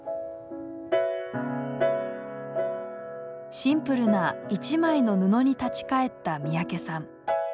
シンプルな「一枚の布」に立ち返った三宅さん。